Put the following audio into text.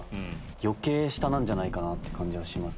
余計下なんじゃないかなって感じはしますね。